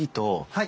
はい。